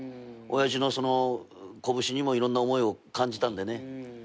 親父のその拳にもいろんな思いを感じたんでね。